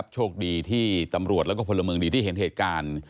โชคดีที่ตำรวจแล้วก็พลเมืองดีที่เห็นเหตุการณ์